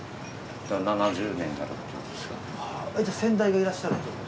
じゃあ先代がいらっしゃるっていうこと？